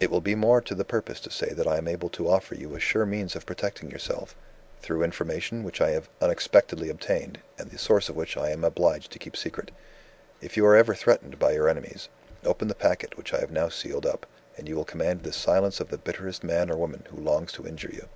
It will be more to the purpose to say that I am able to offer you a sure means of protecting yourself through information which I have unexpectedly obtained, and the source of which I am obliged to keep secret. If you are ever threatened by your enemies, open the packet which I have now sealed up, and you will command the silence of the bitterest man or woman who longs to injure you.